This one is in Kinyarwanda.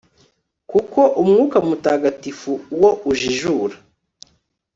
kuko umwuka mutagatifu wo ujijura